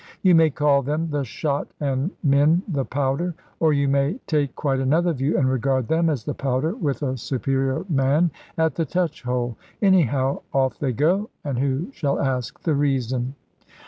You may call them the shot and men the powder; or you may take quite another view, and regard them as the powder, with a superior man at the touchhole. Anyhow, off they go; and who shall ask the reason?